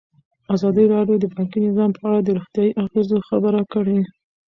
ازادي راډیو د بانکي نظام په اړه د روغتیایي اغېزو خبره کړې.